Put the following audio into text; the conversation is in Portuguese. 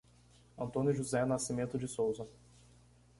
Antônio José Nascimento de Souza